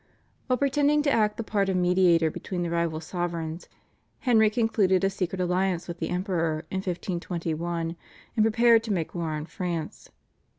While pretending to act the part of mediator between the rival sovereigns, Henry concluded a secret alliance with the Emperor in 1521, and prepared to make war on France.